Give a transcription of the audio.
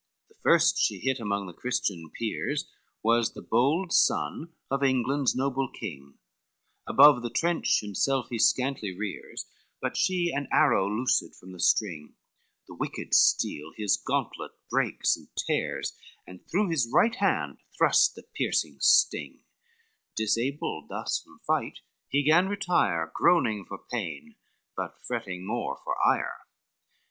XLII The first she hit among the Christian peers Was the bold son of England's noble king, Above the trench himself he scantly rears, But she an arrow loosed from the string, The wicked steel his gauntlet breaks and tears, And through his right hand thrust the piercing sting; Disabled thus from fight, he gan retire, Groaning for pain, but fretting more for ire.